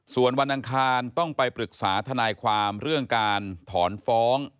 ส่วนวันอังคารต้องไปปรึกษาทนายความเรื่องการถอนฟ้อง